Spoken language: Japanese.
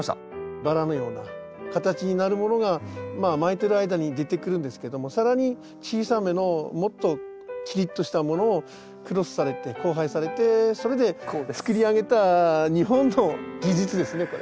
バラのような形になるものが巻いてる間に出てくるんですけども更に小さめのもっとキリッとしたものをクロスされて交配されてそれでつくり上げた日本の技術ですねこれ。